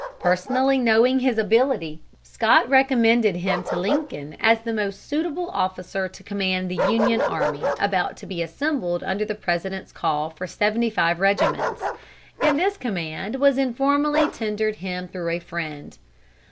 Personally knowing his ability, Scott recommended him to Lincoln as the most suitable officer to command the Union army about to be assembled under the President's call for seventy five regiments; and this command was informally tendered him through a friend.